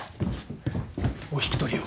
お引き取りを。